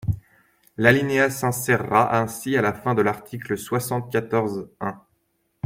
L’alinéa s’insérera ainsi à la fin de l’article soixante-quatorze-un.